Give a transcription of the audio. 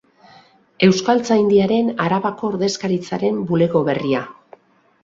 Euskaltzaindiaren Arabako ordezkaritzaren bulego berria.